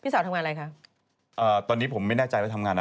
สาวทำงานอะไรคะอ่าตอนนี้ผมไม่แน่ใจว่าทำงานอะไร